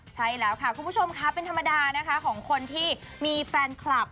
ใช่แล้วค่ะคุณผู้ชมค่ะเป็นธรรมดานะคะของคนที่มีแฟนคลับ